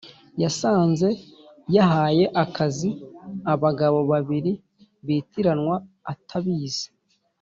yasanze yahaye akazi abagabo babiri bitiranwa atabizi